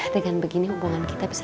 dengan begini hubungan kita bisa